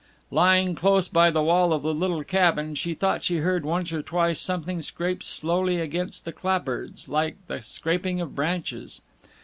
Lying close by the wall of the little cabin, she thought she heard once or twice something scrape slowly against the clapboards, like the scraping of branches.